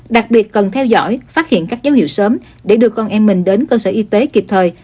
đặc biệt cần theo dõi phát hiện các dấu hiệu sớm để đưa con em mình đến cơ sở y tế kịp thời